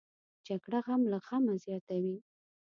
جګړه غم له غمه زیاتوي